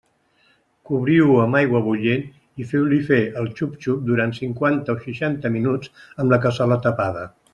Cobriu-ho amb aigua bullent i feu-li fer el xup-xup durant cinquanta o seixanta minuts, amb la cassola tapada.